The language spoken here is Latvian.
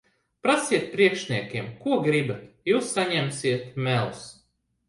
Prasiet priekšniekiem, ko gribat. Jūs saņemsiet melus.